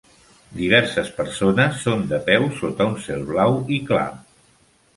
Diverses persones són de peu sota un cel blau i clar.